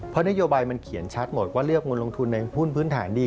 เพราะนโยบายมันเขียนชัดหมดว่าเลือกเงินลงทุนในหุ้นพื้นฐานดี